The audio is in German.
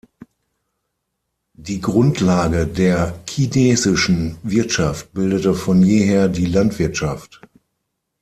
Die Grundlage der chinesischen Wirtschaft bildete von jeher die Landwirtschaft.